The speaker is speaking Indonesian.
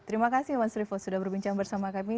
terima kasih mas revo sudah berbincang bersama kami